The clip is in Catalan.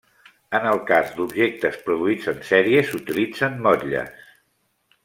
En el cas d'objectes produïts en sèrie s'utilitzen motlles.